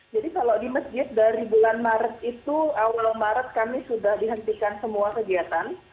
jadi kalau di masjid dari bulan maret itu awal maret kami sudah dihentikan semua kegiatan